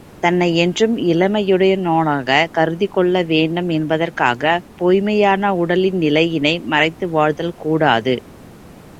தன்னை என்றும் இளமையுடையோனாகத் கருதிக் கொள்ளவேண்டும் என்பதற்காக பொய்ம்மையாக உடலின் நிலையினை மறைத்து வாழ்தல் கூடாது.